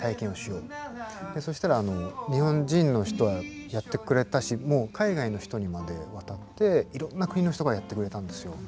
そしたら日本人の人はやってくれたしもう海外の人にまで渡っていろんな国の人がやってくれたんですよ。